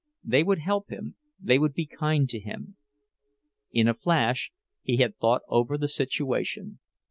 They would help him—they would be kind to him. In a flash he had thought over the situation.